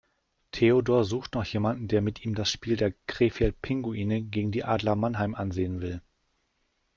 Theodor sucht noch jemanden, der mit ihm das Spiel der Krefeld Pinguine gegen die Adler Mannheim ansehen will.